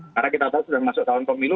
karena kita tahu sudah masuk tahun pemilu